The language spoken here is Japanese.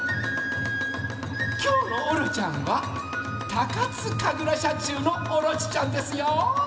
きょうのオロちゃんはのオロチちゃんですよ。